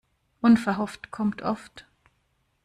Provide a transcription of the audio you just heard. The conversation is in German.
Unverhofft kommt oft.